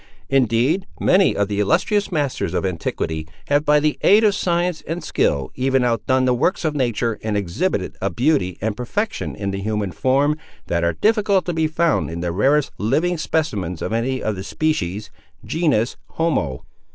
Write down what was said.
Indeed many of the illustrious masters of antiquity, have by the aid of science and skill, even outdone the works of nature, and exhibited a beauty and perfection in the human form that are difficult to be found in the rarest living specimens of any of the species; genus, homo."